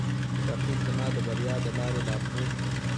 رقیب زما د بریا د لارې لارښود دی